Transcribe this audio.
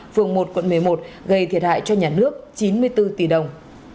phường một quận một mươi một gây thiệt hại cho nhà nước chín mươi bốn tỷ đồng